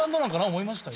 思いましたよ。